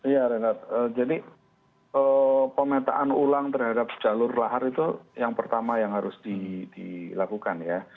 ya renat jadi pemetaan ulang terhadap jalur lahar itu yang pertama yang harus dilakukan ya